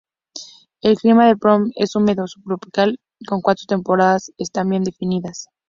El clima de Plovdiv es húmedo subtropical con las cuatro temporadas están bien definidas.